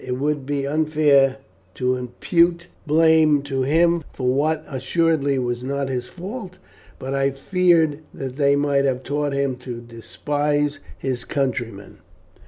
"It would be unfair to impute blame to him for what assuredly was not his fault, but I feared that they might have taught him to despise his countrymen."